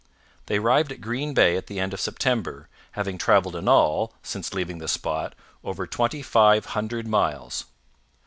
They arrived at Green Bay at the end of September, having travelled in all, since leaving this spot, over twenty five hundred miles.